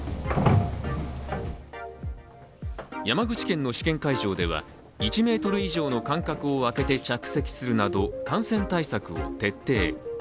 山口県の試験会場では１ｍ以上の間隔を空けて着席するなど感染対策を徹底。